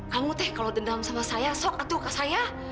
kamu teh kalau dendam sama saya sok aduh ke saya